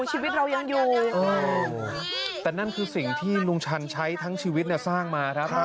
ชีวิตเรายังอยู่แต่นั่นคือสิ่งที่ลุงชันใช้ทั้งชีวิตสร้างมาครับ